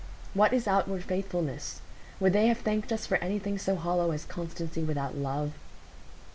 "What is outward faithfulness? Would they have thanked us for anything so hollow as constancy without love?"